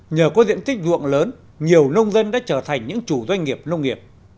nhờ có diện tích ruộng lớn nhiều nông dân đã trở thành những chủ doanh nghiệp nông nghiệp